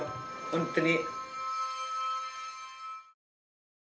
本当に。